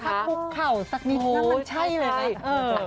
ถ้าคุกเข่าสักนิดนึงมันใช่เลยไหม